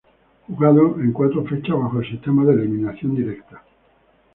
Jugado en cuatro fechas bajo el sistema de eliminación directa.